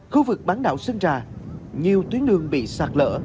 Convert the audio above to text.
khu vực bán đảo sơn trà nhiều tuyến đường bị sạt lỡ